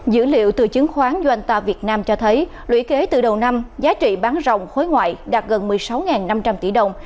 dữ liệu từ chứng khoán doanta việt nam cho thấy lũy kế từ đầu năm giá trị bán rồng khối ngoại đạt gần một mươi sáu năm trăm linh tỷ đồng